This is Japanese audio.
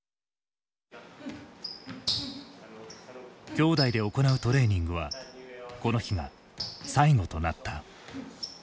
兄弟で行うトレーニングはこの日が最後となった。